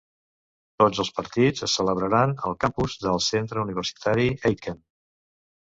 Tots els partits es celebraran al campus del Centre Universitari Aitken.